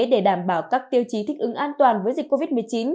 để đảm bảo các tiêu chí thích ứng an toàn với dịch covid một mươi chín